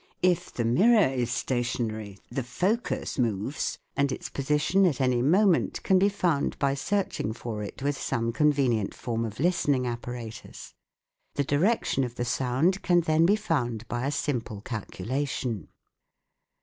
If the mirror is stationary the focus moves ; and its position at any moment can be found by search ing for it with some convenient form of listening apparatus. The direction of the sound can then be found by a simple calculation.